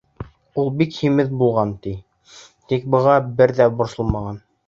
Ул бик һимеҙ булған, ти, тик быға бер ҙә борсолмаған.